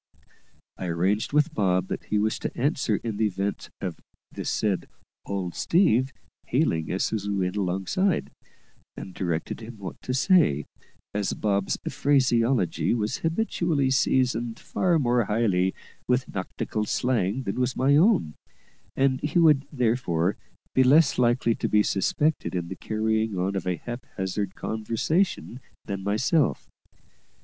I arranged with Bob that he was to answer in the event of the said "old Steve" hailing us as we went alongside, and directed him what to say, as Bob's phraseology was habitually seasoned far more highly with nautical slang than was my own, and he would, therefore, be less likely to be suspected in the carrying on of a haphazard conversation than myself.